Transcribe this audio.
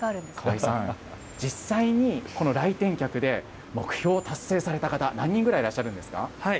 川井さん、実際にこの来店客で目標を達成された方、何人ぐらいいらっしゃるんですか。